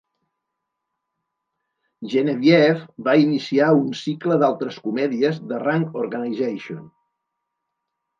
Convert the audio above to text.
"Genevieve" va iniciar un cicle d'altres comèdies de Rank Organization.